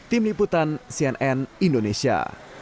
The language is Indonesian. tim liputan cnn indonesia